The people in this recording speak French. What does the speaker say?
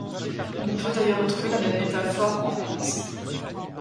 On peut d'ailleurs retrouver la même métaphore en français.